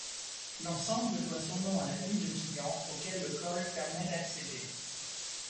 L'ensemble doit son nom à la ville de Quillan auquel le col permet d'accéder.